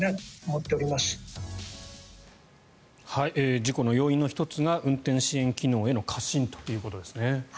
事故の要因の１つが運転支援機能への過信ということですね。